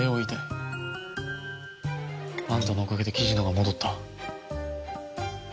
あんたのおかげで雉野が戻った。